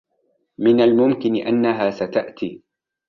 من الممكن أنها ستأتي.